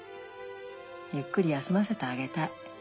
ゆっくり休ませてあげたい。